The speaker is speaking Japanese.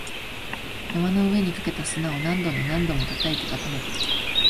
山の上にかけた砂を何度も何度も叩いて、固めて